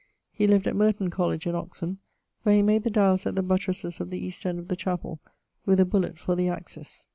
He lived at Merton College in Oxon, where he made the dialls at the buttresses of the east end of the chapell with a bullet for the axis.